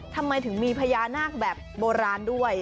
ทำไมถึงมีพญานาคแบบโบราณด้วย